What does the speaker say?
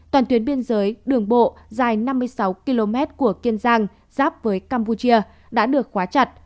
toàn tuyến biên giới đường bộ dài năm mươi sáu km của kiên giang giáp với campuchia đã được khóa chặt